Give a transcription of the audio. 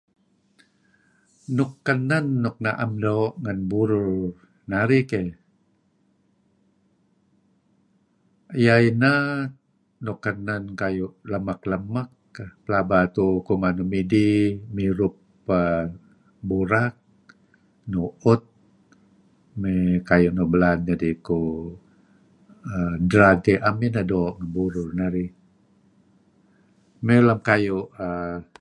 Nuk kenen nuk na'em doo' ngen burur narih keyh... ieh ineh nuk kenen kayu' lemek-lemek', pelaba tu'uh kuman nuk midih, mirup err... burak, nu'ut, mey kayu' nuk belaan deh ku drug iih. 'Em ineh doo' ngen burur narih. Mey lem kayu' err..